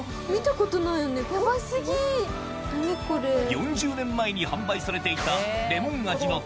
４０年前に販売されていたレモン味の炭酸ジュースや